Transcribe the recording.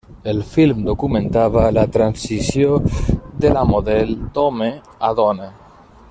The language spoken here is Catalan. El film documentava la transició de la model d'home a dona.